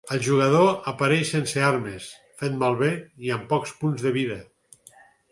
El jugador apareix sense armes, fet malbé i amb pocs punts de vida.